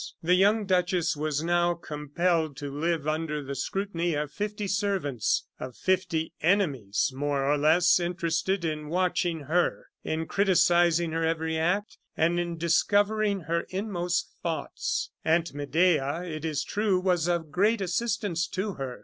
The young duchess was now compelled to live under the scrutiny of fifty servants of fifty enemies, more or less, interested in watching her, in criticising her every act, and in discovering her inmost thoughts. Aunt Medea, it is true, was of great assistance to her.